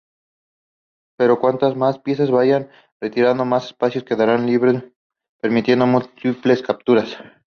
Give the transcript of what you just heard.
Pero cuantas más piezas se vayan retirando, más espacios quedarán libres, permitiendo múltiples "capturas".